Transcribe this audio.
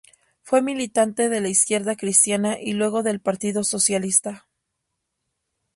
Fue militante de la Izquierda Cristiana y luego del Partido Socialista.